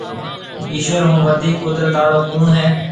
ايشوَر هون وڌيڪ قُدرت آݪو ڪوُڻ هيَ۔